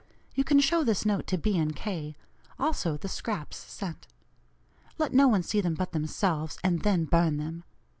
You can show this note to B. & K., also the scraps sent. Let no one see them but themselves, and then burn them.